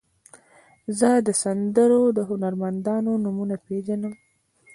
زه د سندرو د هنرمندانو نومونه پیژنم.